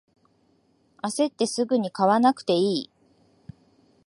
あせってすぐに買わなくていい